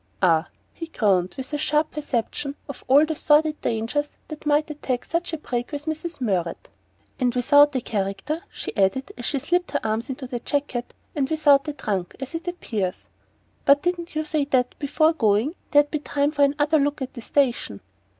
"Ah " he groaned, with a sharp perception of all the sordid dangers that might attend such a break with Mrs. Murrett. "And without a character!" she added, as she slipped her arms into the jacket. "And without a trunk, as it appears but didn't you say that, before going, there'd be time for another look at the station?"